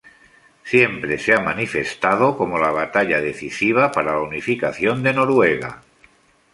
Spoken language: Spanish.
Siempre se ha manifestado como la batalla decisiva para la unificación de Noruega.